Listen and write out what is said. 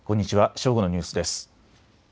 正午のニュースです。